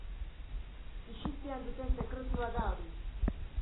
Isilpean duten sekretua da hori.